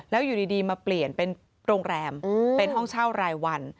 แล้วอยู่ดีมาเปลี่ยนเป็นโรงแรมเป็นห้องเช่ารายวัน